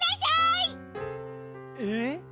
えっ？